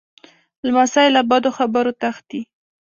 لمسی له بدو خبرو تښتي.